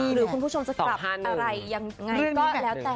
หรือคุณผู้ชมจะกลับอะไรยังไงก็แล้วแต่